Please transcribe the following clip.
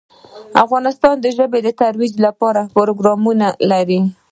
افغانستان د ژبې د ترویج لپاره پروګرامونه لري.